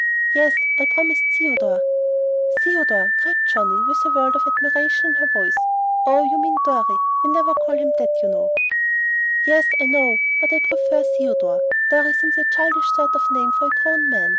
"Yes, I've promised Theodore " "Theodore!" cried Johnnie, with a world of admiration in her voice. "Oh, you mean Dorry. We never call him that, you know." "Yes, I know, but I prefer Theodore. Dorry seems a childish sort of name for a grown man.